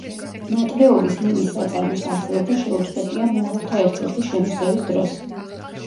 ნატბეურის მინის საწარმოს არსებობა შეუწყვეტია მონღოლთა ერთ-ერთი შემოსევის დროს.